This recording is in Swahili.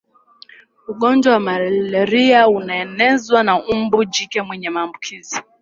ugonjwa wa malaria unaenezwa na mbu jike mwenye maambukizo